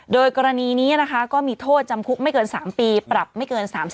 โดยกรณีนี้นะคะก็มีโทษจำคุกไม่เกิน๓ปีปรับไม่เกิน๓๐